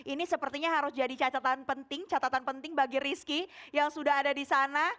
ini sepertinya harus jadi catatan penting catatan penting bagi rizky yang sudah ada di sana